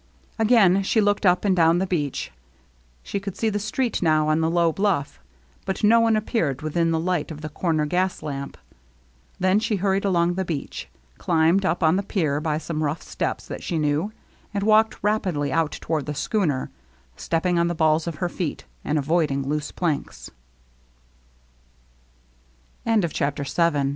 Again she looked up and down the beach. She could see the street now on the low bluff; but no one appeared within the light of the corner gas lamp. Then she hurried along the beach, climbed up on the pier by some rough steps that she knew, and walked rapidly out toward the schooner, stepping on the balls of her fee